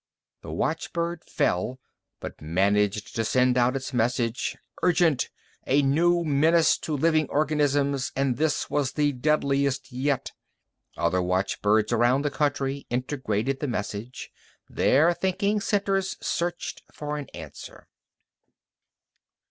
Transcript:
The watchbird fell, but managed to send out its message. Urgent! A new menace to living organisms and this was the deadliest yet! Other watchbirds around the country integrated the message. Their thinking centers searched for an answer.